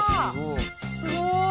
すごい！